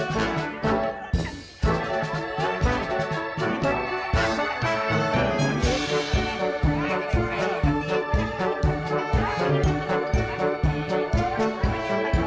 กูตายโอ้โหชุดยอดเลยมาเบิ่งเนื้อพี่น้องเลยโอ้ย